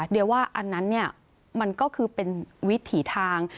เดี๋ยวว่าอันนั้นมันก็คือเป็นวิถีทาง